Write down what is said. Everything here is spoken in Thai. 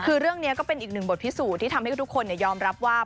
คือเรื่องนี้ก็เป็นอีกหนึ่งบทพิสูจน์ที่ทำให้ทุกคนยอมรับว่า